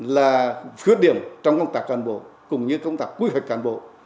là khứa điểm trong công tạc cản bộ cùng như công tạc quy hoạch cản bộ